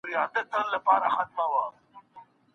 دروني ارامي په سختو حالاتو کي اړینه ده.